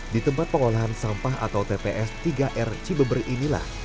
di tempat pengolahan sampah atau tps tiga r cibeber inilah